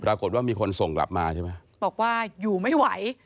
ปรากฏว่ามีคนส่งกลับมาใช่ไหมบอกว่าอยู่ไม่ไหว